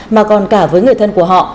mà còn cả với người thân của họ